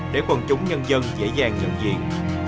để quần chúng nhân dân dễ dàng nhận diện